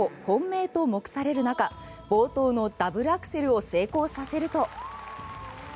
本命と目される中冒頭のダブルアクセルを成功させると。